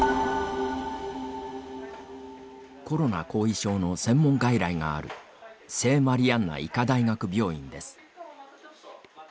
コロナ後遺症の専門外来がある聖マリアンナ医科大学病院です。